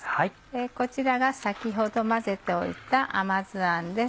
こちらが先ほど混ぜておいた甘酢あんです。